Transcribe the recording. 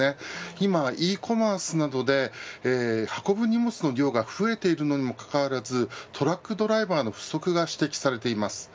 今、ｅコマースなどで運ぶ荷物の量が増えているのにもかかわらずトラックドライバーの不足が指摘されています。